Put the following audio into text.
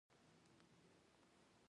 بیا دې يې معنا کړي.